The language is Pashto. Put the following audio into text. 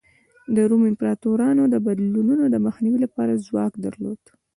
د روم امپراتورانو د بدلونونو د مخنیوي لپاره ځواک درلود.